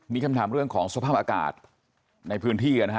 มีคำถามเรื่องของสภาพอากาศในพื้นที่นะฮะ